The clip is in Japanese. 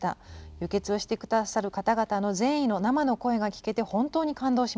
輸血をしてくださる方々の善意の生の声が聞けて本当に感動しました。